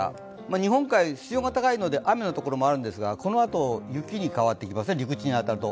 日本海、室温が高いので雨のところもあるんですがこのあと雪に変わってきます、陸地に当たると。